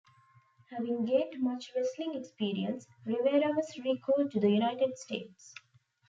Having gained much wrestling experience, Rivera was recalled to the United States.